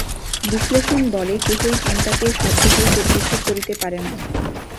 বিশ্লেষণবলে কেহই চিন্তাকে শব্দ হইতে পৃথক করিতে পারে না।